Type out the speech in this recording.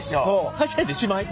はしゃいでしまい？